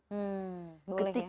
ketika agama kita yang disinggung